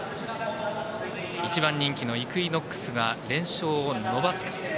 １番人気のイクイノックスが連勝を伸ばすか。